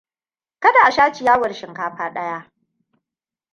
Kada a sha ciyawar shinkafa ɗaya!